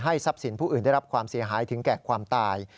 ทรัพย์สินผู้อื่นได้รับความเสียหายถึงแก่ความตาย